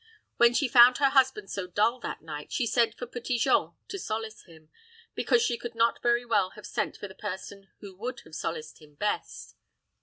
When she found her husband so dull that night, she sent for Petit Jean to solace him, because she could not very well have sent for the person who would have solaced him best.